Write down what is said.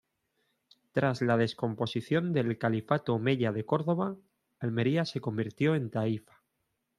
Tras la descomposición del califato omeya de Córdoba, Almería se convirtió en taifa.